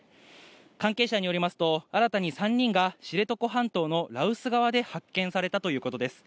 関係者によりますと、新たに３人が知床半島の羅臼側で発見されたということです。